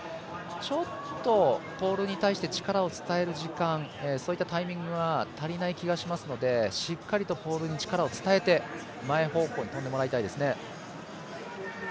ちょっとポールに対して力を伝える時間、そういったタイミングは足りない感じがしましたのでしっかりとポールに力を伝えて前方向に跳んでもらいたいですね。